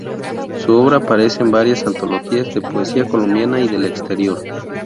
Su obra aparece en varias antologías de poesía colombiana y del exterior.